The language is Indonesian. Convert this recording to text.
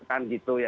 kan gitu ya